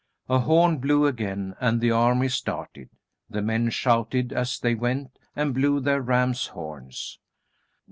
A horn blew again and the army started. The men shouted as they went, and blew their ram's horns.